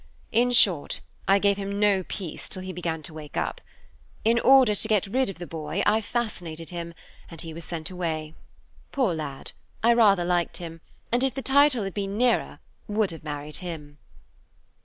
In short, I gave him no peace till he began to wake up. In order to get rid of the boy, I fascinated him, and he was sent away. Poor lad, I rather liked him, and if the title had been nearer would have married him.